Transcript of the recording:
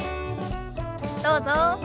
どうぞ。